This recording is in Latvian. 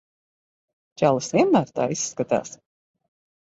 Čalis vienmēr tā izskatās.